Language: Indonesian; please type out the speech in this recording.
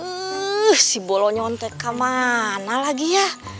aduh si bolonya ontek kemana lagi ya